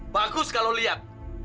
bagus kalau lihat